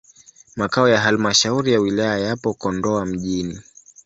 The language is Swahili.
Makao ya halmashauri ya wilaya yapo Kondoa mjini.